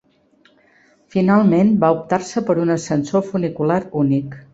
Finalment va optar-se per un ascensor funicular únic.